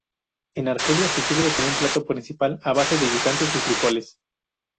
En Argelia, se sirve como un plato principal a base de guisantes y frijoles.